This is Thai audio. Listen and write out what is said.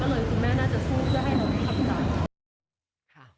ก็เลยคุณแม่น่าจะสู้เพื่อให้เหล่าความตาย